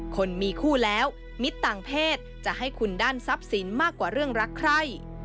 คนมีคู่แล้วมิตรต่างเพศจะให้คุณด้านทรัพย์สินมากกว่าเรื่องรักใคร